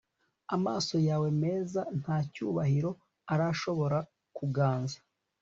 Amaso yawe meza nta cyubahiro arashobora kuganza